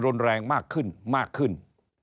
รุนแรงมากขึ้น